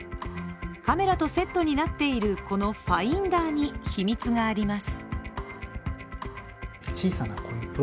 カメラとセットになっているこのファインダーに秘密があります。